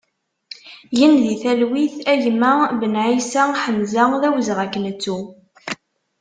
Gen di talwit a gma Benaïssa Ḥamza, d awezɣi ad k-nettu!